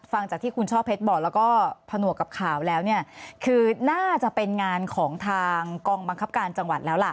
ฟังจากที่คุณช่อเพชรบอกแล้วก็ผนวกกับข่าวแล้วเนี่ยคือน่าจะเป็นงานของทางกองบังคับการจังหวัดแล้วล่ะ